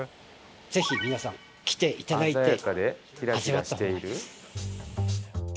ぜひ皆さん来ていただいて味わった方がいいです。